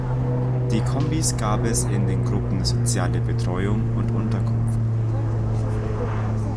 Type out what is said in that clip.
Die Kombis gab es in den Gruppen „Soziale Betreuung“ und „Unterkunft“.